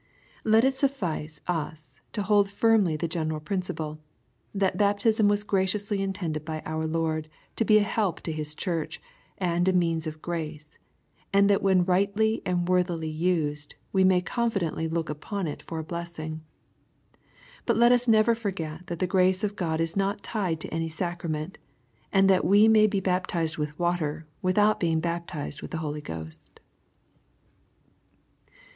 Let it suffice us to hold firmly the general principle, that baptism was graciously intended by our Lord to be a help to His Church, and '^ a means of grace,'' and that when rightly and worthily used, we. may confidently look upon it for a blessing. But let us never forget that the grace of God is not tied to any sacrament, and that we may De baptized with water, without being baptized with the Holy Ghost.